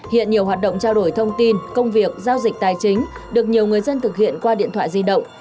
hiện nhiều hoạt động trao đổi thông tin công việc giao dịch tài chính được nhiều người dân thực hiện qua điện thoại di động